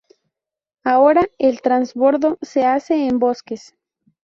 Ahora el transbordo se hace en Bosques.